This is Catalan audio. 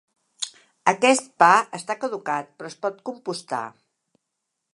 Aquest pa està caducat, però es pot compostar.